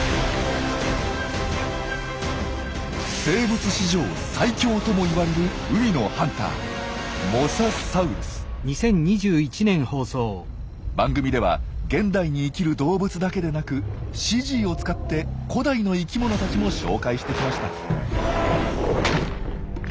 生物史上最強ともいわれる海のハンター番組では現代に生きる動物だけでなくＣＧを使って古代の生きものたちも紹介してきました。